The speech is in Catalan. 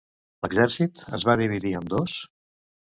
L'exèrcit es va dividir en dos?